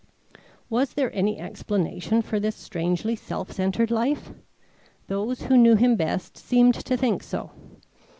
Was there any explanation for this strangely self centred life? Those who knew him best seemed to think so.